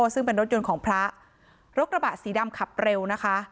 ซึ่งเป็นรถยนต์ของพระรถกระบะสีดำขับเร็วนะคะ